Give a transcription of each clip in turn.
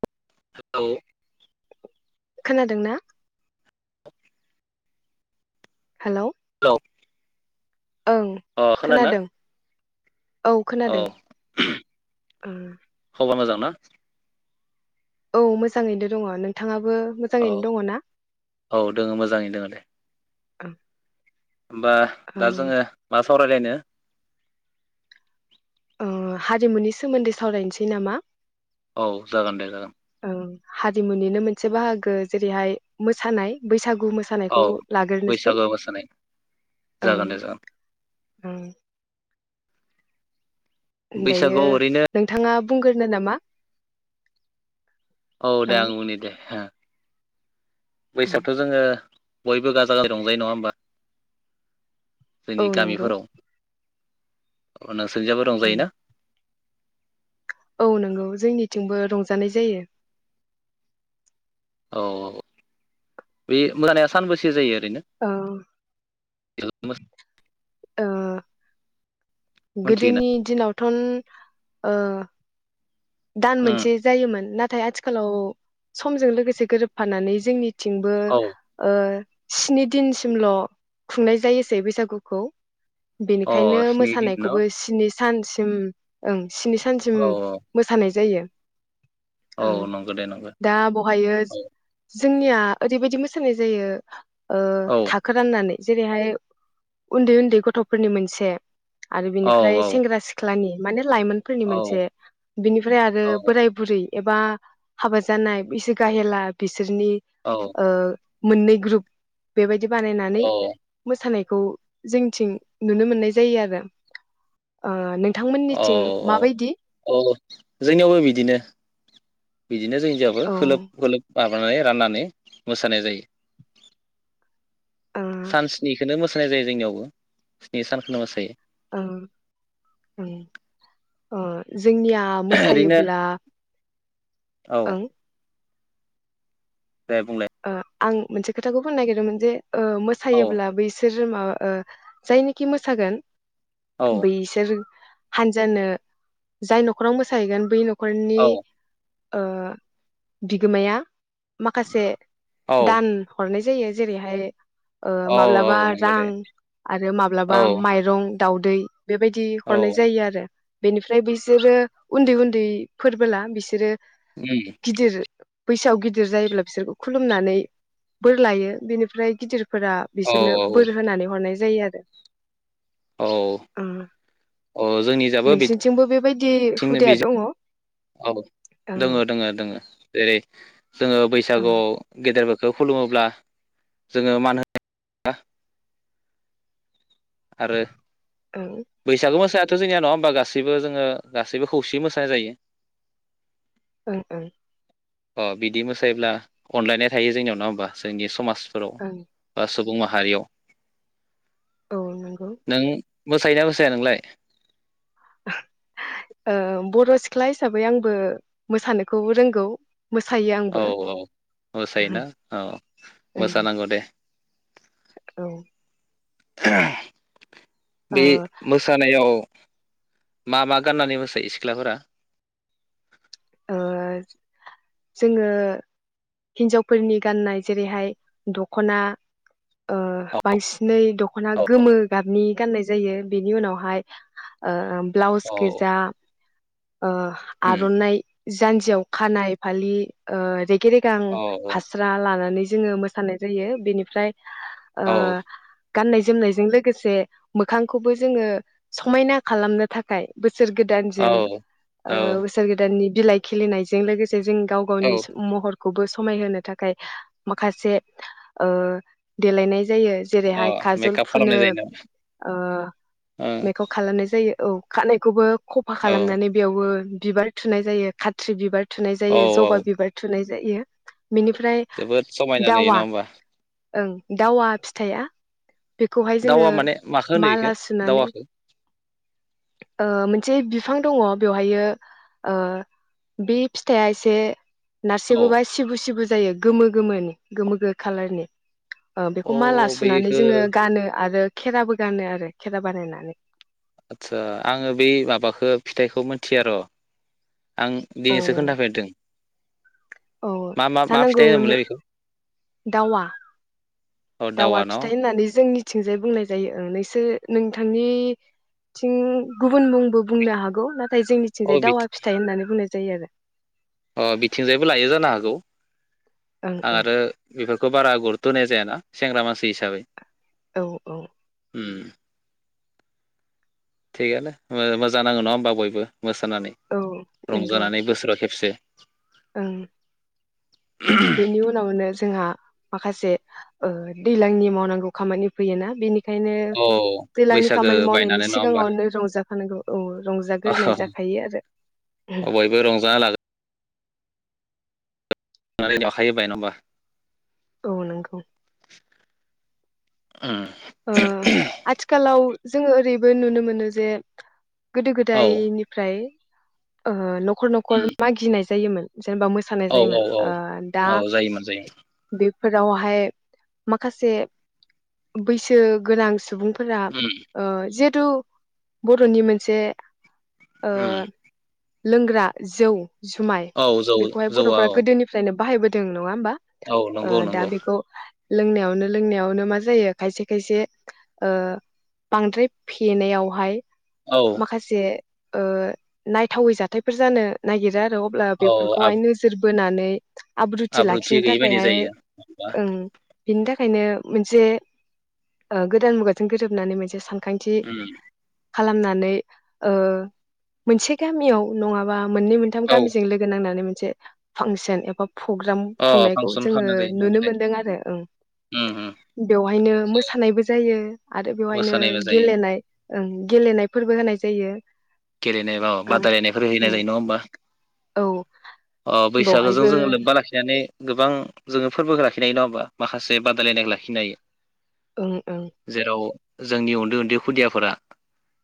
[unintelligible] खोनादों ना? हेलौ [unintelligible] ओं अ खोनादोंना खोनादों। औ खोनादों उम खबर मोजां ना औ मोजाङैनो दङ नोंथाङाबो औ मोजाङैनो दङ ना औ दोङो मोजाङैनो दोङो दे। गा होमबा दा जोङो मा सा सावरायलायनो। ओ हारिमुनि सोमोन्दै सावरायनोसै नामा? औ जागोन दे जागोन। ओ हारिमुनिनो मोनसे बाहागो जेरैहाय मोसानाय बैसागु गु औ मोसानायखौ लाग्रोनोसै बैसागु मोसानाय ओं जागोन दे जागोन ओं दायो बैसागुआव ओरैनो नोंथाङा बुंग्रोनो नामा? औ दे ओं आं उनि दे हे। ओं बैसागोआवथ' जोङो बयबो गाजा गोाजजा रंजायो नङा होमबा? औ जोंनि नंगौ गामिफोराव अ नोंसोरजयाबो उम रंजायोना? औ नंगौ जोंनिथिंबो रंजानाय जायो। औ बे मोसानाया सानबेसे जायो? नो ओ [unintelligible] औ। मोनथिगोना गोदोनि दिनाव थुन ओ दान उम मोनसे जायोमोन नाथाय आथिखालाव समजों लोगोसे गोरोबफानानै जोंनि थिंबो औ ओ स्नि दिनसिमल' खुंनाय जायोसै बैसागुखौ। बेनिखायनो अ स्नि दिन न' औ मोसानायखौबो स्नि सानसिम ओं। स्नि सानसिम औ सानाय जायो। औ ओं नंगौ दे नंगौ दा बहायो औ जोंनिया ओरैबायदि मोसानाय जायो ए औ थाखो राननानै जेरैहाय उन्दै उन्दै गथ'फोरनि मोनसे आरो औ बिनिफ्राय औ सेंग्रा सिख्लानि। माने लाइमोनफोरनि औ मोनसे बेनिफ्राय आरो औ बोराय, बुरै एबा हाबा जानाय बैसो गाहेला बि बिसोरनि औ ओ मोननै ग्रुप बेबायदि बानायनानै औ मोसानाय खौ जोंथिं नुनो मोननाय जायो ओ नों औ नोंथांमोननिथिं औ माबायदि? औ जोंनियावबो बिदिनो। बिदिनो जोंनियावबो औ खोलोब खोलोब माबानानै राननानै मोसानाय जायो। ओ ओं सान स्निखौनो मोसा जानाय जायो जोंनियावबो स्नि सानखौनो मोसायो। औ औ जोंनिया ओरैनो मोसायोब्ला औ। ओं दे बुंलाय ओ आं मोनसे खोथाखौ होननो नागिरदोंमोन जे ओ औ मोसायोब्ला बैसोर जोमा ओ जायनिखि मोसागोन औ बैसोर हानजानो जाय न'खराव मोसाहैगोन बै न'ख न'खरनि। औ ओ बिगोमाया माखासे। औ दान हद हरनाय जायो जेरैहाय ओ औ माब्लाबा औ नंगौ दे रां आरो औ माब्लाबा माइरं दाउदै बेबायदि औ हरनाय जायो आरो। बेनिफ्राय बिसोरो उन्दै उन्दै फोरबोला बिसोरो उम गिदिर बैसोआव गिदिर जायोब्ला फिसोरखौ खुलुमनानै बोर लायो बेनिफ्राय गिदिर फोरा औ बिसोरनो बोर होनानै हरनाय जायो आरो। औ ओ औ जोंनि जाबो नोंसिनिथिंबो बेबायदि बिदि हुदाया बिथिं दङ ओं औ दोङो ओं दोङो दोङो जेरै जोङो बैस सागोआव गेदेर खौ खुलुमोब्ला जोङो मान होनो आरो ओं बैसागु मोस थ' जोंनिया नङा होमबा गासैबो जोङो गासैबो खौसे मोसानाय जायो। ओ ओ। अ बिदि मोसायोब्ला अनलायनाय थायो जोंनियाव नङा होमबा जोंनि समाज ओं [unintelligible] सुबुं माहारियाव औ नंगौ नों मोसायोना मोसाया नोंलाय? ओ बर' सिख्ला हिसाबै आंबो मोसानोखौ रोंगौ। मोसायो औ आंबो औ मोसायोना औ ओं मोसानांगौ दे। [unintelligible] औ ओ बे मोसानायाव मा मा गाननानै मोसायो सिख्लाफोरा? ओ जोङो हिन्जावफोरनि गाननाय जेरैहाय दख'ना ओ औ बांसिनै दख'ना गोमो गाबनि गाननाय जायो बेनि उनावहाय ओ ब्लाउस औ गोजा ओ उम आर'नाइ जानजियाव खानाय फालि ओ रेगे गे रेगां औ फास्रा लानानै जोङो मोसानाय जायो बेनिफ्राय ओ औ गाननाय जोमनायजों लोगोसे मोखांखौबो जोङो समायना खालामनो थाखाय बुस सोर औ गोदानजों औ बोसोर गोदाननि बिलाइ खिलिनायजों लोगोसे जे जों गाव गावनि औ महरखौबोसो समायहो थाखाय माखासे ओ देलायनाय ए अ जेरैहाय खाजल मेकआप फुनो खालामनाय जायो नामा ओ मेकाब खालामनाय जायो औ खानायखौबो सफा ओ खालामनानै खौबो बिबार थुनाय जायो खात्रि बिबार थुनाय औ जायो जबा औ बिबार थुनाय जायो जायो बेनिफ्राय जोबोद समायना नुयो दावआ नङा होमबा ओं दावआ फिथाइया बेखौहाय जोङो दावा माने माखो होनो इखो माला सुनानै दावाखो ओ मोनसे बिफां दङ बेवहायो ओ बे फिथाइ आ एसे औ नारसेबोबा सिबो सिबो जायो गोमो गोमोनि गोमो गो खाालारनि। ओ औ बेखौ माला सुनानै बेखो जोङो गानो आरो खेराबो गानो आरो खेरा बानायनानै आदसा आङो बै माबाखौ फिथाइखौ मोनथि र आं औ दिनैसो खोन्थाफेरदों औ मा मा मा जानांगौ फिथाइ होनोमोनलाय बेखौ दावा औ दावा फिथाइ न' होननानै जोंनिथिंजाय बुंनाय जायो ओं नोंथांनिथिं गुबुन मुंबो बुंनो हागौ ना ना जोंनिथिंजाय अ बि दावा फिथाय होननानै बुंनायजायो जायो आरो अ बिथिंजायबो लायो जानो हागौ आं आरो बेफोरखौ बारा गुर होनाय जायाना सेंग्रा मानसि हिसाबै औ औ उम थिगानो मोजां नाङौ नङा होनोमबा बयबो मोसानानै औ नंगौ रंजानानै बोसोराव खेबसे [unintelligible] ओं बेनि उनावनो जोंहा माखासे ओ दैज्लांनि मावनांगौ खामानि फैयोना बिनिख ओंखायनो औ दैलांनि बैसागो खामानि मावनायनि बायनानै नङा होमबा सिगाङावनो रंजाखानांगौ। औ रंजाग्रोनाय जाखायो आरो। औ बयबो रंजाना [unintelligible] खायो बाय ना होमबा। औ नोंगौ। उम ओ आथिखालाव जोङो ओरैबो नुनो मोनो जे गोदो औ गोदायनिफ्राय ओ नख न'खर न'खर उम मागिनाय जायोमोन। जेनेबा मोसानाय औ औ जायोमोन औ ओ दा औ जायोमोन जायोमोन बे फोरावहाय माखासे बैसो गोनां सुबुं फोरा उम ओ जेब तु बर'नि मोनसे ओ उम लोंग्रा जौ जुमाय औ जौ बेखौहाय जौआ बर'फोरा औ गोदोनिफ्रायनो बाहायबोदों नङा होमबा औ ओ नंगौ दा नंगौ। बेखौ लोंनायावनो लोंनायावनो मा जायो। खायसे खायसे ओ बांद्राय फेनायावहाय औ माखासे ओ नायथावै जाथायफोर जानो नागिरा। अब्ला औ बेफोरखौहाय आब नोजोर बोनानै [inaudible] आब्रुथि लाखिनो गैयि बायदि थाखायहाय जायो होमबा ओं बिनि थाखायनो मोनसे ओ गोदान मुगाजों गोरोबनानै मोनसे सान खांथि उम खालामनानै ओ मोनसे गामियाव नङाबा मोननै मोनथाम औ गामिजों लोगो नांनानै मोनसे फांसन एबा प्रग्राम अ खुंनायखौ फांसन जोङो खालामनाय जायो नंगौ नुनो दे मोनदों आरो ओं उम उम बेवहायनो मोसानायबो जायो आरो बेवहायनो मोसानायबो जायो गेलेनाय ओं गेलेनाय फोरबो होनाय जायो। गेलेनाय बा ओं बादायलायनायफोर होनाय ओं जायो नङा होमबा औ अ बैसागोजों बावहायबो जोङो लोब्बा लाखिनानै गोबां जोङो फोरबोखौ लाखि नाय नङा होनबा माखासे बादायलायनायखौ लाखिनो हायो। ओं ओं जेराव जोंनि उन्दै-उन्दै खुदियाफोरा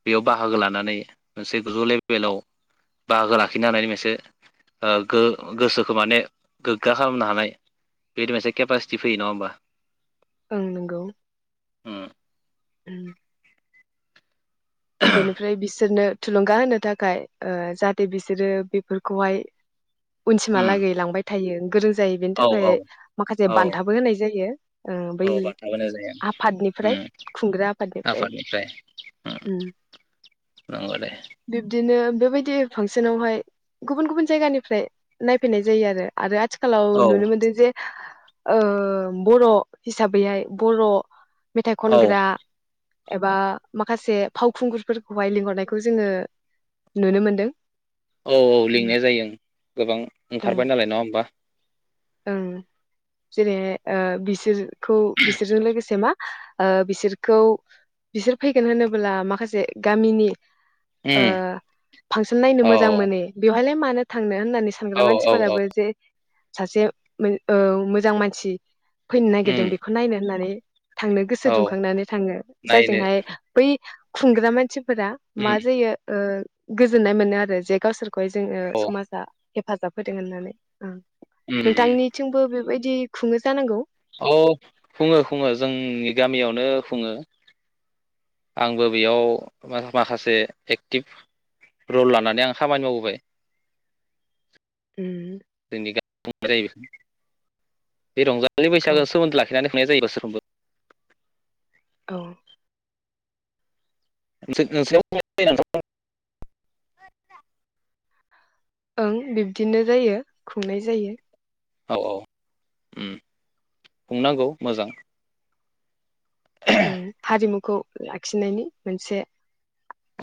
बेयाव बाहागो लानानै मोनसे गोजौ लेबेलाव बाहागो लाखिनो हानायनि मोनसे गो-गोसोखौ माने गोग्गा खालामनो हानाय बेदि मोनसे केपासिटि फैयो नङा होमबा। ओं नंगौ ओ [inaudible] बेनिफ्राय बिसोरनो थुलुंगा होनो थाखाय जाहाथे बिसोरो बेफोरखौहाय उम उनसिमहालागै लांबाय थायो। [unintelligible] जायो बेनि औ थाखाय औ माखासे औ बान्थाबो होनाय जायो। ओ औ बै बान्था होनाय जायो आफादनिफ्राय उम खुंग्रा आफादनिफ्राय उम उम नंगौ दे बिदिनो बेबायदि फांसनावहाय गुबुन गुबुन जायगानिफ्राय नायफैनाय जायो आरो आथि खालााव औ नुनो मोनदों जे ओ बर' हिसाबैहाय बर' मेथाइ औ खनग्रा एबा माखासे फावखुंगुरफोरखौहाय लिंहरनायखौ जोङो नुनो मोनदों। औ औ लिंनाय जायो ओं गोबां ओं ओंखारबाय नालाय नङा होमबा ओं जेरैहाय ओ बिसोर खौ बिसोरजों लोगोसे मा ओ बिसोरखौ बिसोर फैगोन होनोब्ला माखासे गामिनि ओ उम फांसन नायनो औ मोजां मोनो बेवहायलाय मानो थांनो? होननानै औ सानग्रा औ औ मानसिफोराबो जे सासे ओ मोजां मानसि फैनो नागिरदों उम बेखौ नायनो होननानै थांनो गोसो औ दुंखांनानै थाङो नायनो जायजोंहाय बै खुंग्रा मानसि फोरा उम माजायो ओ गोजोन्नाय मोनो आरो जे गावसोरखौ बै जोङो औ समाजा हेफाजाब होदों होननानै ओं उम नोंथांनिथिंबो बेबायदि बिदि खुङो जानांगौ औ खुङो खुङो जोंनि गामियावनो खुङो। आंबो बेयाव माखासे एक्टिभ रल लानानै आं खामानि मावबोबाय। [unintelligible] [unintelligible] उम बे रंजा लि औ बैसागो सोमोन्दो लाखिनानै खुंनाय जायो बोसोरफ्रामबो द' [unintelligible] ओं बिब्दिनो जायो खुंनाय जायो औ औ उम बुंनांगौ मोजां। ओं हारिमुखौ लाखिनायनि मोनसे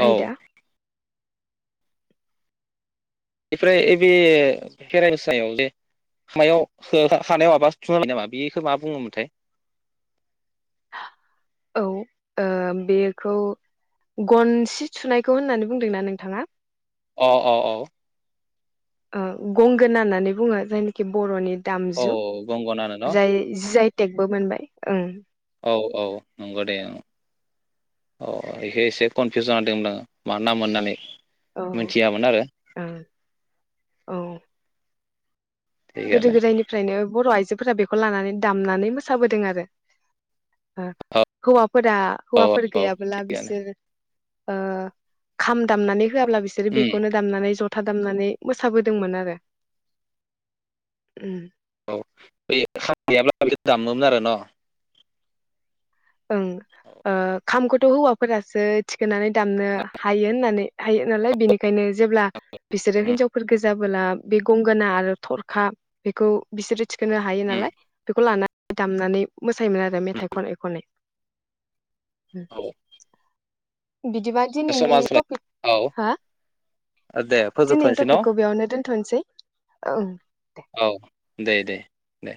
औ आयदा बेफ्राय बेे भेरसायाव जे हायाव हा-हानायाव माबा थुबबाय नामा बेखौ मा बुङोमोनथाय औ ओ बेखौ गनसि थुनायखौ होननानै बुंदोंना नोंथाङा? अ औ औ ओ गंगोन होननानै बुङो जायनाखि बर'नि औ दामजु गंगनानो न' जाय जाय टेकबो मोनबाय ओं औ औ नंगौ दे औ अ बेखौ एसे कनफिउसन दोंमोन आं मा ना मोननानै औ ओ औ। गोदो थिगानो गोदायनिफ्रायनो बर' आइजो हौआफोरा बेखौ लानानै दामनानै मोसाबोदों आरो औ हौवा फोरा हौवाफोर औ गैयाबोला थिगानो बिसोर ओ खाम दामनानै होआब्ला बिसोरो उम बेखौनो दामनानै ज ' जथा दामनानै मोसाबोदोंमोन आरो उम। औ बे गैयाब्ला बे दामोमोन आरो न' ओं ओ खामखौथ' हौवाफोरासो थिखोनानै दामनो हायो होननानै हायो नालाय बेनिखायनो जेब्ला बिसोरो उम हिनजाव फोर गोजाबोला बे गंगोना आरो थरखा बेखौ बिसोरो थिखोनो हायो उम नालाय बेखौ लाना दामनानै मोसायोमोन आरो मेथाइ खनै खनै औ बिदिबा दिनैनि समा टपिक जाबाय औ हो दे दिनैनि फोजोबथ'नोसै न' टपिकखौ बेयावनो दोनथ'नोसै ओं दे। औ दे दे दे